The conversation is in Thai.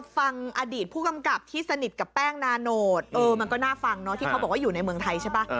ฟังอดีตผู้กำกับที่สนิทกับแป้งนาโนตมันก็น่าฟังเนาะที่เขาบอกว่าอยู่ในเมืองไทยใช่ป่ะ